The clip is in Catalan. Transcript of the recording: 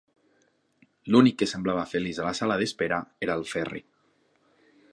L'únic que semblava feliç a la sala d'espera era el Ferri.